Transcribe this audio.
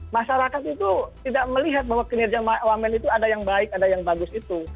masyarakat itu tidak melihat bahwa kinerja wamen itu ada yang baik ada yang bagus itu